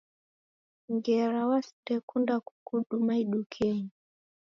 Ngera wasindekunda kukuduma idukenyi..